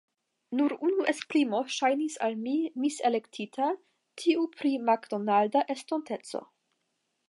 Nur unu esprimo ŝajnis al mi miselektita: tiu pri makdonalda estonteco.